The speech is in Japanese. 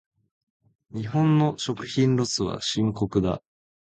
日本の食品ロスは深刻だ。